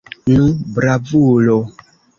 Nu, bravulo!